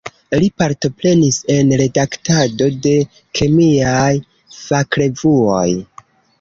Li partoprenis en redaktado de kemiaj fakrevuoj.